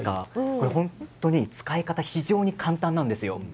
これは本当に使い方非常に簡単なんですよ。